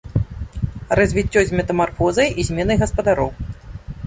Развіццё з метамарфозай і зменай гаспадароў.